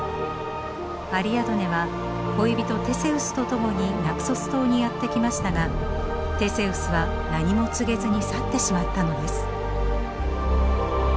アリアドネは恋人テセウスと共にナクソス島にやって来ましたがテセウスは何も告げずに去ってしまったのです。